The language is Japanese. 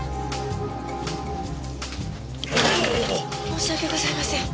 申し訳ございません。